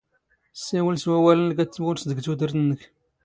ⵙⵙⵉⵡⵍ ⵙ ⵡⴰⵡⴰⵍ ⵏⵏⴽ ⴰⴷ ⵜⵎⵓⵔⵙⴷ ⴳ ⵜⵓⴷⵔⵜ ⵏⵏⴽ